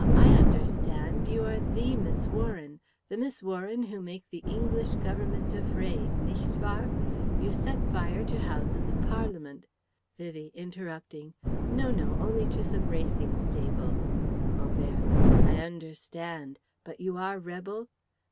I understand you are the Miss Warren, the Miss Warren who make the English Government afraid, nicht wahr? You set fire to Houses of Parliament..." Vivie (interrupting): "No, no! Only to some racing stables..." Oberst: "I understand. But you are rebel?"